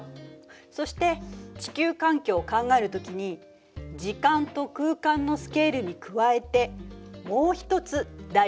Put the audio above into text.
そして地球環境を考える時に時間と空間のスケールに加えてもう一つ大事な考え方があるのよ。